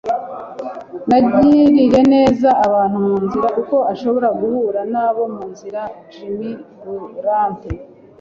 Nugirire neza abantu mu nzira, kuko ushobora guhura nabo mu nzira.” - Jimmy Durante